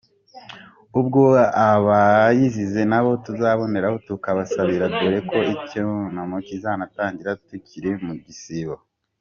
ubwo abayizize nabo tuzabonereho tubasabire dore ko icyunamo kizanatangira tukiri mu gisibo